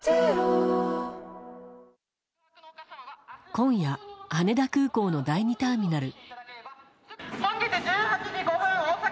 今夜羽田空港の第２ターミナル。